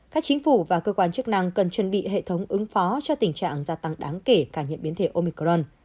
các chính phủ và cơ quan chức năng cần chuẩn bị hệ thống ứng phó cho tình trạng gia tăng đáng kể cả những biến thể omicron